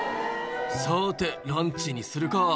「さてランチにするか」